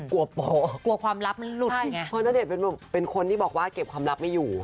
กลัวกลัวความลับมันหลุดไงเพราะณเดชน์เป็นคนที่บอกว่าเก็บความลับไม่อยู่